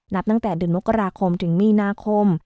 นับตั้งแต่เดือนมกราคมถึงมีนาคม